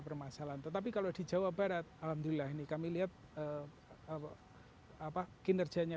permasalahan tetapi kalau di jawa barat alhamdulillah ini kami lihat apa kinerjanya